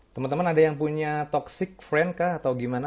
teman teman ada yang punya toxic friend kah atau gimana